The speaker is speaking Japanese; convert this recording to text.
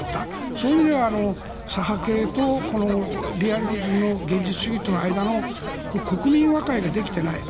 そういう意味では左派系とリアリズムの現実主義との間の国民和解ができていない。